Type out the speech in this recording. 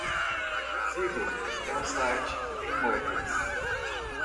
Zillow é um site de imóveis.